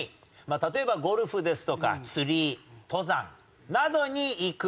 例えばゴルフですとか釣り登山などに行く。